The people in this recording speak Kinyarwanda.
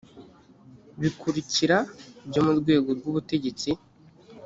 bikurikira byo mu rwego rw ubutegetsi